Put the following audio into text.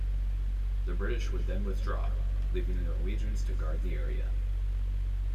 The British would then withdraw, leaving the Norwegians to guard the area.